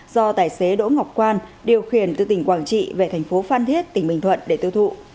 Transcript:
do tài xế đỗ ngọc quan điều khiển từ tỉnh quảng trị về thành phố phan thiết tỉnh bình thuận để tiêu thụ